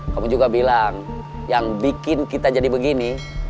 kamu juga bilang yang bikin kita jadi begini